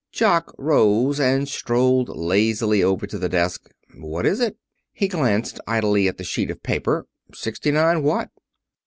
Jock rose and strolled lazily over to the desk. "What is it?" He glanced idly at the sheet of paper. "Sixty nine what?"